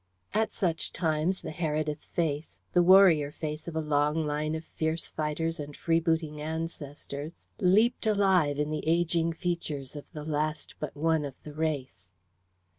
At such times the Heredith face the warrior face of a long line of fierce fighters and freebooting ancestors leaped alive in the ageing features of the last but one of the race.